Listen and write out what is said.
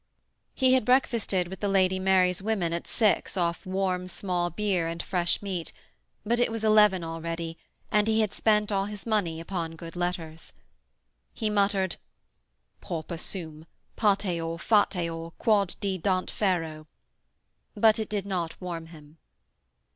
He had breakfasted with the Lady Mary's women at six off warm small beer and fresh meat, but it was eleven already, and he had spent all his money upon good letters. He muttered: 'Pauper sum, pateor, fateor, quod Di dant fero,' but it did not warm him.